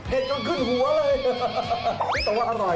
เฮ็ดก็ขึ้นหัวเลย